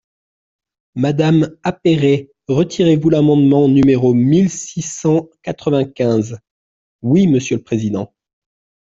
Madame Appéré, retirez-vous l’amendement numéro mille six cent quatre-vingt-quinze ? Oui, monsieur le président.